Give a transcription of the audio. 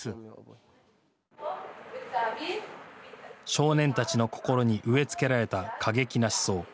少年たちの心に植え付けられた過激な思想。